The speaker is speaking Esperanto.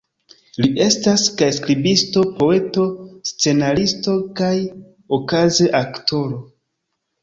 Li estas kaj skribisto, poeto, scenaristo kaj okaze aktoro.